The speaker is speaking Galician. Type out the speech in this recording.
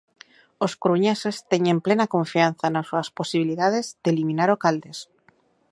Os coruñeses teñen plena confianza nas súas posibilidades de eliminar ao Caldes.